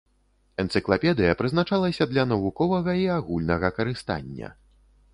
Энцыклапедыя прызначалася для навуковага і агульнага карыстання.